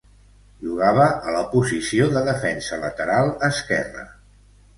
Jugava a la posició de defensa lateral esquerra.